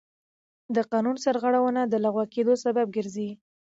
د قانون سرغړونه د لغوه کېدو سبب ګرځي.